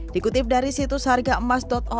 dikutip dari situs hargaemas com